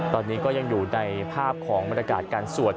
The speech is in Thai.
ตอนนี้ก็ยังอยู่ในภาพของบรรยากาศการสวด